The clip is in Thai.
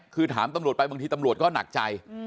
คือถามตำรวจไปบางทีตำรวจก็หนักใจ